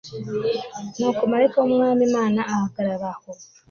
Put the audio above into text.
nuko marayika w umwami imana ahagarara aho